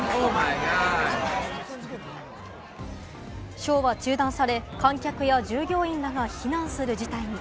ショーは中断され、観客や従業員らが避難する事態に。